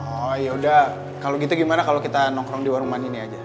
oh ya udah kalo gitu gimana kalo kita nongkrong di warung mani ini aja